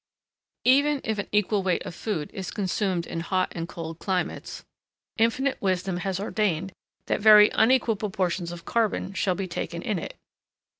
Even if an equal weight of food is consumed in hot and cold climates, Infinite Wisdom has ordained that very unequal proportions of carbon shall be taken in it.